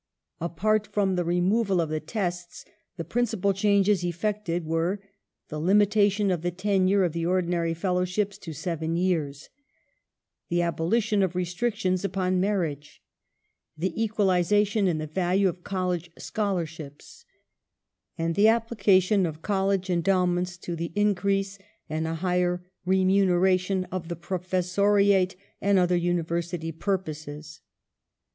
^ Apart from the removal of the Tests, the principal changes effected were : the limitation of the tenure of the ordinary Fellowships to seven years ; the abolition of restrictions upon marriage ; the equalization in the value of College scholarships, and the application of College endowments to the increase and a higher remuneration of the Professoriate and other Univereity purposes.